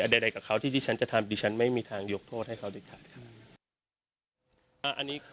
อะไรกับเขาที่ดิฉันจะทำดิฉันไม่มีทางยกโทษให้เขากัน